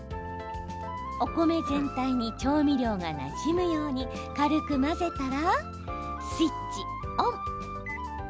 お米全体に調味料がなじむように軽く混ぜたら、スイッチオン。